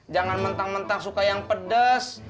jangan mentang mentang suka yang pedas